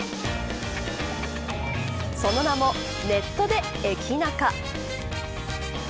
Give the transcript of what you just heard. その名もネットでエキナカ。